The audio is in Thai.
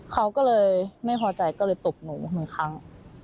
เขาก็เลยไม่พอใจก็เลยตบหนูหนึ่งครั้ง